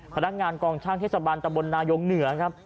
พนักงานกองช่างเทศบันตะบลนายงเหนือครับ